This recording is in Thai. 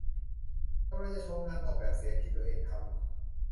กำลังจะโชว์งานออกแบบเสียงที่ตัวเองทำ